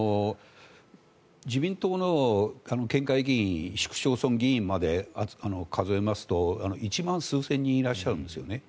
自民党の県議会議員市区町村議員まで数えますと１万数千人いらっしゃるんですね。